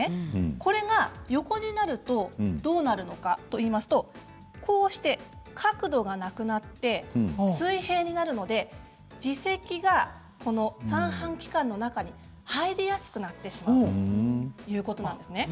これが横になるとどうなるのかというと角度がなくなって水平になるので耳石が三半規管の中に入りやすくなってしまうということなんですね。